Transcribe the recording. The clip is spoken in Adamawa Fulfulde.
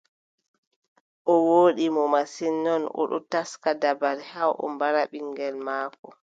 O wooɗi mo masin, non, o ɗon taska dabare haa o mbara ɓiŋngel maako.